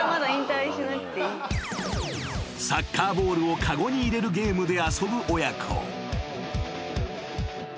［サッカーボールを籠に入れるゲームで遊ぶ親子］